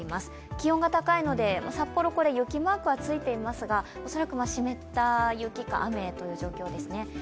気温が高いので札幌、雪マークはついていますが恐らく湿った雪か雨という状況ですね。